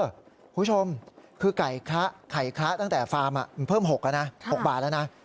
คุณผู้ชมคือไข่ค้าตั้งแต่ฟาร์มเพิ่ม๖บาทแล้วนะ